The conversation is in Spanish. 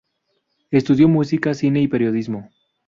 Estudió música, cine y periodismo.